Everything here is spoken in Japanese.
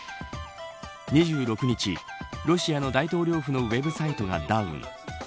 ２６日、ロシアの大統領府のウェブサイトがダウン。